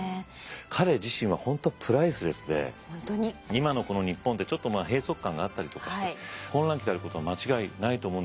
今のこの日本ってちょっと閉塞感があったりとかして混乱期であることは間違いないと思うんですよね。